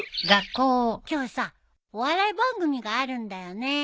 今日さお笑い番組があるんだよね。